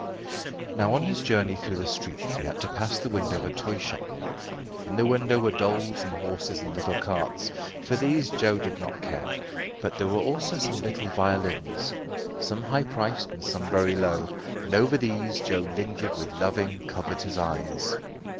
Now on his journey through the streets he had to pass the window of a toy shop. In the window were dolls and horses and little carts. For these Joe did not care, but there were also some little violins, some high priced, and some very low, and over these Joe lingered with loving, covetous eyes.